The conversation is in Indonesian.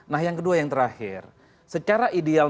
nah yang kedua yang terakhir secara ideal